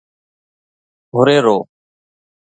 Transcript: هريرو